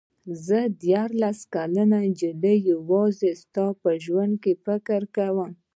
زه دیارلس کلنې نجلۍ یوازې ستا په ژوند فکر کاوه.